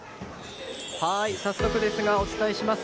早速ですがお伝えします。